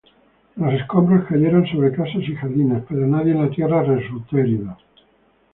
Los escombros cayeron sobre casas y jardines, pero nadie en la tierra resultó herido.